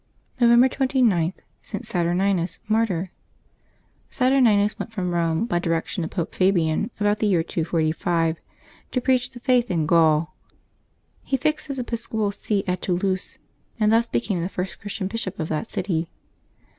November 29.— ST. SATURNINUS, Martyr. .TUENiNUS went from Eome, by direction of Pope Fabian, about the year 245, to preach the faith in Gaul. He fixed his episcopal see at Toulouse, and thus became the first Christian bishop of that city.